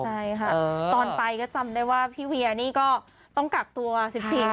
ใช่ค่ะตอนไปก็จำได้ว่าพี่เวียนี่ก็ต้องกักตัว๑๔วัน